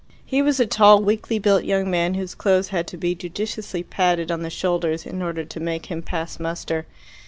He was a tall, weakly built young man, whose clothes had to be judiciously padded on the shoulders in order to make him pass muster.